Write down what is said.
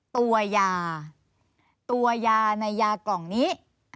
ตัวยาตัวยาในยากล่องนี้